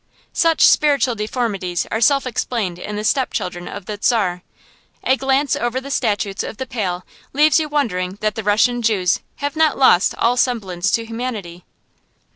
Such spiritual deformities are self explained in the step children of the Czar. A glance over the statutes of the Pale leaves you wondering that the Russian Jews have not lost all semblance to humanity.